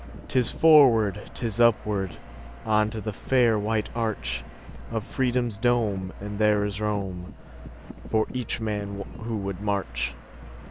'Tis forward, 'tis upward, On to the fair white archOf Freedom's dome, and there is roomFor each man who would march.